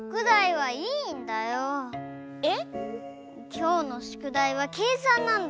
きょうのしゅくだいはけいさんなんだ。